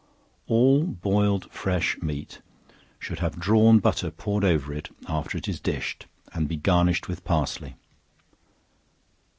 All boiled fresh meat should have drawn butter poured over it, after it is dished, and be garnished with parsley.